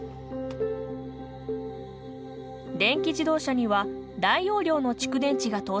電気自動車には大容量の蓄電池が搭載されています。